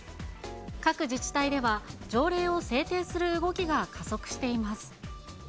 各自治体では条例を制定する動きが加速しています。